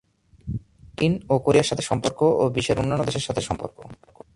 চীন ও কোরিয়ার সাথে সম্পর্ক ও বিশ্বের অন্যান্য দেশের সাথে সম্পর্ক।